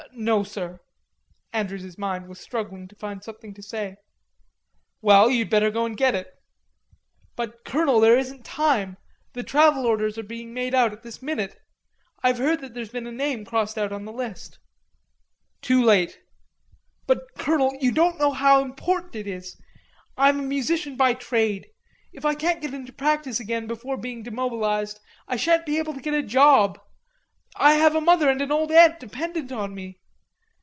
"No, sir." Andrews's mind was struggling to find something to say. "Well, you'd better go and get it." "But, Colonel, there isn't time; the travel orders are being made out at this minute. I've heard that there's been a name crossed out on the list." "Too late." "But, Colonel, you don't know how important it is. I am a musician by trade; if I can't get into practice again before being demobilized, I shan't be able to get a job.... I have a mother and an old aunt dependent on me.